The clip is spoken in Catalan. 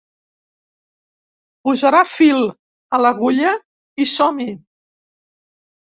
Posarà fil a l'agulla i som-hi.